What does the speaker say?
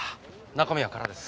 中身は空です。